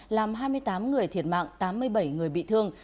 làm hai mươi tám người thiệt mạng tám mươi bảy người bị thương